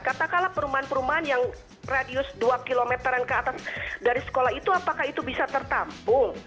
katakanlah perumahan perumahan yang radius dua km ke atas dari sekolah itu apakah itu bisa tertampung